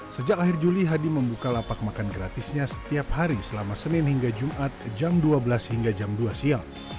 sejak akhir juli hadi membuka lapak makan gratisnya setiap hari selama senin hingga jumat jam dua belas hingga jam dua siang